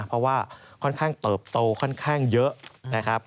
เพราะว่าค่อนข้างเติบโตค่อนข้างเยอะนะครับ